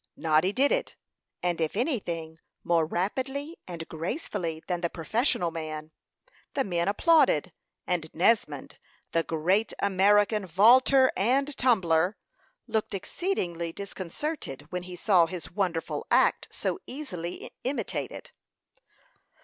Noddy did it, and if anything, more rapidly and gracefully than the professional man. The men applauded, and Nesmond "the great American vaulter and tumbler" looked exceedingly disconcerted when he saw his wonderful act so easily imitated.